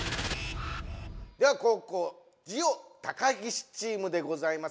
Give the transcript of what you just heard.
では後攻ジオ高岸チームでございます。